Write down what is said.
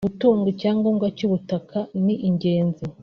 Gutunga icyangombwa cy’ubutaka ni ingenzi